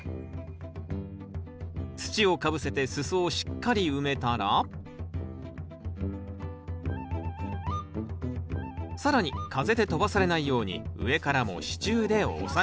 土をかぶせてすそをしっかり埋めたら更に風で飛ばされないように上からも支柱で押さえます